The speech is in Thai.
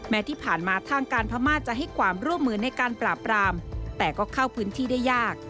ที่ผ่านมาทางการพม่าจะให้ความร่วมมือในการปราบรามแต่ก็เข้าพื้นที่ได้ยาก